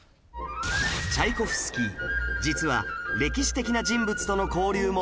チャイコフスキー実は歴史的な人物との交流も多かったんです